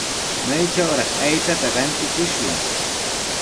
¿Maytrawraq aychata rantikushwan?